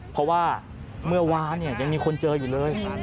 เพราะว่าเมื่อวานยังมีคนเจออยู่เลย